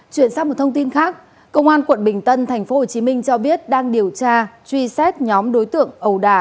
công an quận bình tân tp hcm cho biết đang điều tra truy xét nhóm đối tượng ẩu đả